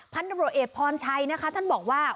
พันธ์ตำรวจเอกพร้อนชัยนะคะท่านบอกว่า